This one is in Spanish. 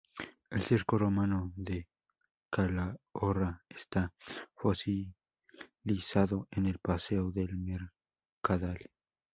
El circo romano de Calahorra está "fosilizado" en el Paseo del Mercadal.